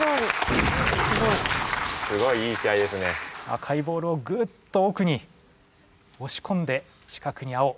赤いボールをグッとおくにおしこんで近くに青。